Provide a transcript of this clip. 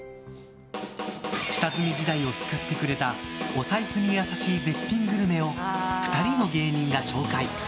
下積み時代を救ってくれたお財布に優しい絶品グルメを２人の芸人が紹介。